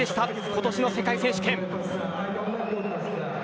今年の世界選手権。